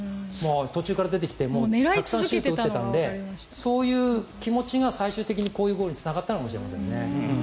途中から出てきてたくさん打っていたのでそういう気持ちがゴールにつながったのかもしれません。